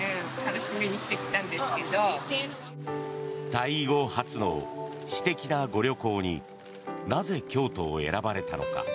退位後初の私的なご旅行になぜ、京都を選ばれたのか。